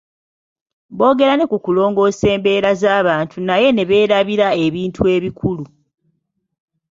Bogera ne ku kulongoosa embeera z'abantu naye ne beerabira ebintu ebikulu.